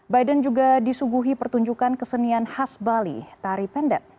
biden juga disuguhi pertunjukan kesenian khas bali tari pendek